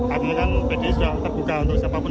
ada yang pdip sudah terbuka untuk siapapun